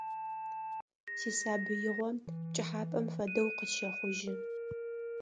Сисабыигъо пкӀыхьапӀэм фэдэу къысщэхъужьы.